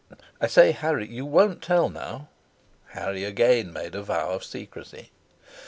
. I say, Harry, you won't tell, now?" Harry again made a vow of secrecy.